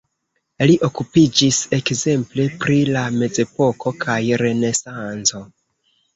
Li okupiĝis ekzemple pri la mezepoko kaj renesanco.